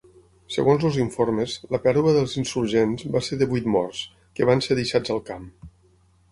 Segons els informes, la pèrdua dels insurgents va ser de vuit morts, que van ser deixats al camp.